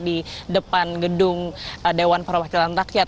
di depan gedung dewan perwakilan rakyat